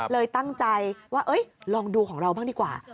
เลยตั้งใจว่าลองดูของเราบ้างดีกว่า